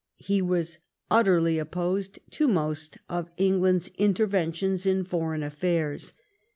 He was utterly opposed to most of Eng land's interventions in foreign affairs.